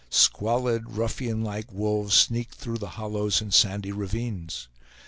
Squalid, ruffianlike wolves sneaked through the hollows and sandy ravines.